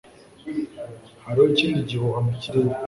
Hariho ikindi gihuha mu kirere